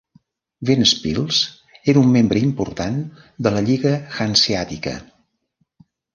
Ventspils era un membre important de la Lliga Hanseàtica.